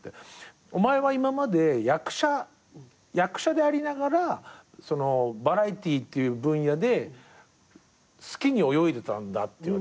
「お前は今まで役者でありながらバラエティーっていう分野で好きに泳いでたんだ」って言うわけね。